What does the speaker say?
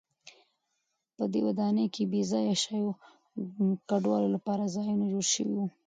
په دې ودانۍ کې د بې ځایه شویو کډوالو لپاره ځایونه جوړ شوي و.